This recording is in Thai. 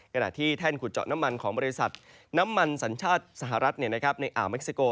ขณะที่แท่นขุดเจาะน้ำมันของบริษัทน้ำมันสัญชาติสหรัฐในอ่าวเม็กซิโก